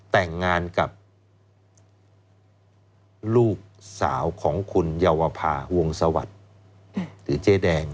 แต่งงานกับลูกสาวของคุณเยาวภาวงสวัสดิ์หรือเจ๊แดง